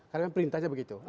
karena perintahnya begitu